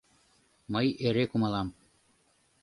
Мый эре кумалам.